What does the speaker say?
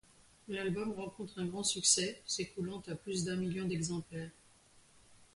L'album rencontre un grand succès, s'écoulant à plus d'un million d'exemplaires.